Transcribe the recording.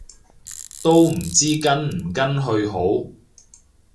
都唔知跟唔跟去好